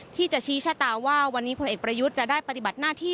ที่จะชี้ชะตาว่าวันนี้พลเอกประยุทธ์จะได้ปฏิบัติหน้าที่